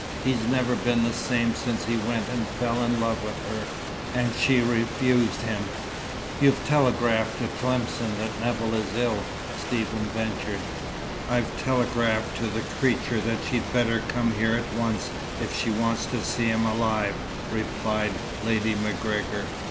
He's never been the same since he went and fell in love with her, and she refused him." "You've telegraphed to Tlemcen that Nevill is ill?" Stephen ventured. "I've telegraphed to the creature that she'd better come here at once, if she wants to see him alive," replied Lady MacGregor.